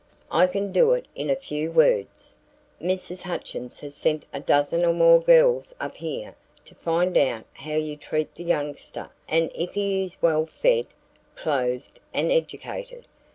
"I can do it in a few words. Mrs. Hutchins has sent a dozen or more girls up here to find out how you treat the youngster and if he is well fed, clothed and educated.